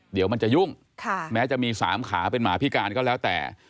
เดี๋ยวมันจะยุ่งแม้จะมี๓ขาเป็นหมาพิการก็แล้วแต่